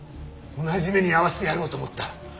同じ目に遭わせてやろうと思った。